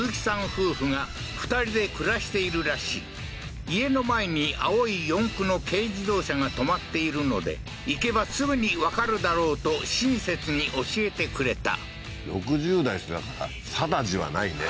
夫婦が２人で暮らしているらしい家の前に青い四駆の軽自動車が止まっているので行けばすぐにわかるだろうと親切に教えてくれた６０代って言ってたからサダジはないね